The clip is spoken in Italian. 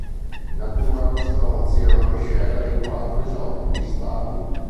In natura lo stronzio è una miscela dei quattro isotopi stabili.